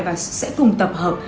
và sẽ cùng tập hợp